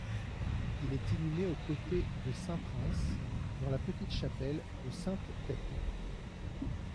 Il est inhumé au côté de saint Prince dans la petite chapelle de Sainte-Thècle.